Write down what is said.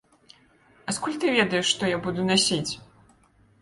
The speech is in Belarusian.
А скуль ты ведаеш, што я буду насіць?